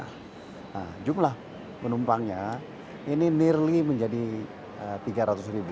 nah jumlah penumpangnya ini nirley menjadi tiga ratus ribu